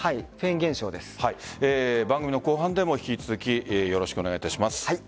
番組の後半でも引き続きよろしくお願いいたします。